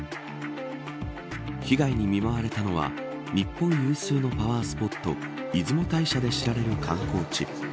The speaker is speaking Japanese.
被害に見舞われたのは日本有数のパワースポット出雲大社で知られる観光地。